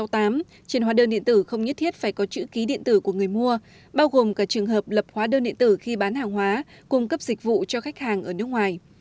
trên hóa đơn điện tử không nhất thiết phải có chữ ký điện tử của người mua bao gồm cả trường hợp lập hóa đơn điện tử khi bán hàng hóa cung cấp dịch vụ cho khách hàng ở nước ngoài